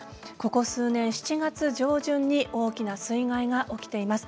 ここ数年、７月上旬に大きな水害が起きています。